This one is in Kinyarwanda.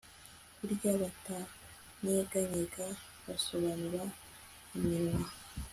Burya batanyeganyega basomana iminwa